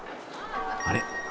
あれ？